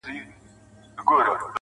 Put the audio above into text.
چي دې سترگو زما و زړه ته کړی پول دی_